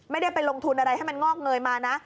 ไม่ได้ไปลงทุนอะไรให้มันงอกเงยมานะ